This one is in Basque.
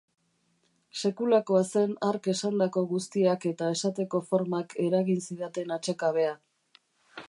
Sekulakoa zen hark esandako guztiak eta esateko formak eragin zidaten atsekabea.